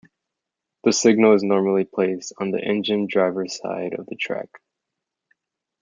The signal is normally placed on the engine driver's side of the track.